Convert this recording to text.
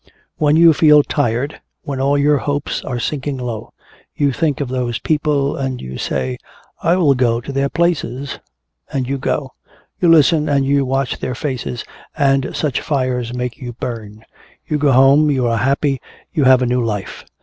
When you feel tired, when all your hopes are sinking low, you think of those people and you say, 'I will go to their places.' And you go. You listen and you watch their faces, and such fire makes you burn! You go home, you are happy, you have a new life!